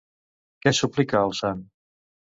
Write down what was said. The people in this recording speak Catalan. Què suplica al sant?